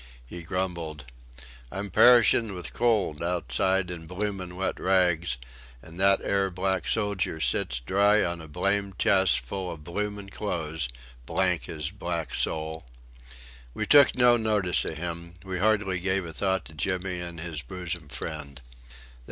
He grumbled: "I'm perishin' with cold outside in bloomin' wet rags, an' that 'ere black sojer sits dry on a blamed chest full of bloomin' clothes; blank his black soul!" We took no notice of him; we hardly gave a thought to Jimmy and his bosom friend.